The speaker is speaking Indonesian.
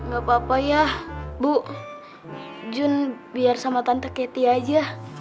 gak apa apa ya bu jun biar sama tante keti aja